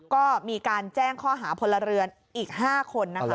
ก็มีการแจ้งข้อหาพลเรือนอีก๕คนนะคะ